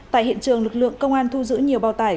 tại hiện trường lực lượng công an thu giữ nhiều bào tải